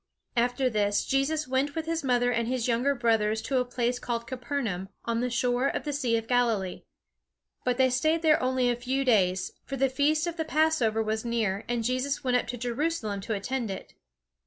After this Jesus went with his mother and his younger brothers to a place called Capernaum, on the shore of the Sea of Galilee. But they stayed there only a few days, for the feast of the Passover was near, and Jesus went up to Jerusalem to attend it.